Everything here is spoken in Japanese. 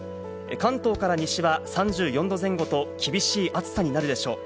関東から西は３４度前後と厳しい暑さになるでしょう。